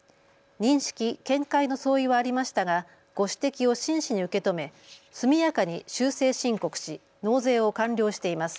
認識・見解の相違はありましたがご指摘を真摯に受け止め速やかに修正申告し納税を完了しています。